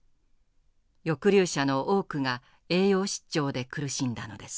抑留者の多くが栄養失調で苦しんだのです。